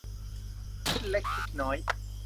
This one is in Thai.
คิดเล็กคิดน้อย